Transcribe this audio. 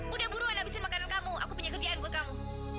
udah buruan habisin makanan kamu aku punya kerjaan buat kamu